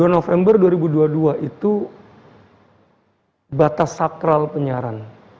dua puluh november dua ribu dua puluh dua itu batas sakral penyiaran